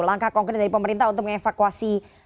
langkah konkret dari pemerintah untuk mengevakuasi